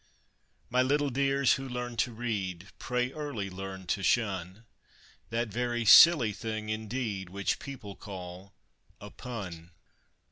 My little dears who learn to read, pray early learn to shun That very silly thing indeed, which people call a pun.